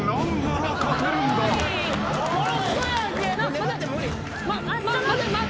粘っても無理。